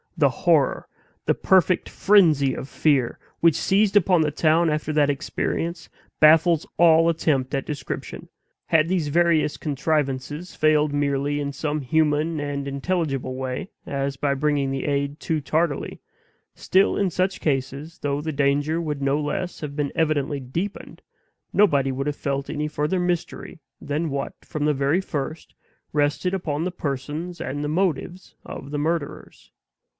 The horror, the perfect frenzy of fear, which seized upon the town after that experience, baffles all attempt at description. Had these various contrivances failed merely in some human and intelligible way, as by bringing the aid too tardily still, in such cases, though the danger would no less have been evidently deepened, nobody would have felt any further mystery than what, from the very first, rested upon the persons and the motives of the murderers.